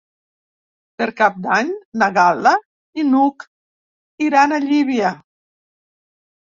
Per Cap d'Any na Gal·la i n'Hug iran a Llívia.